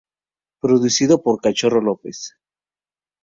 Producido por Cachorro López.